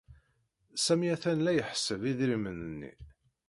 Sami atan la iḥesseb idrimen-nni.